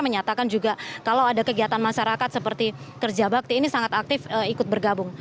menyatakan juga kalau ada kegiatan masyarakat seperti kerja bakti ini sangat aktif ikut bergabung